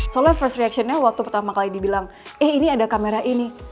soalnya first reactionnya waktu pertama kali dibilang eh ini ada kamera ini